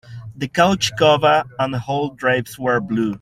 The couch cover and hall drapes were blue.